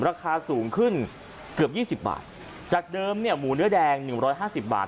ราคาสูงขึ้นเกือบยี่สิบบาทจากเดิมเนี่ยหมูเนื้อแดงหนึ่งร้อยห้าสิบบาท